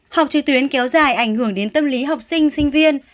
học trí tuyến kéo dài ảnh hưởng đến tâm lý học sinh sinh viên